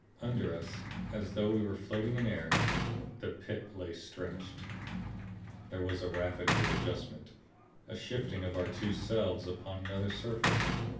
Under us, as though we were floating in air, the Pit lay stretched. There was a rapid readjustment, a shifting of our two selves upon another surface.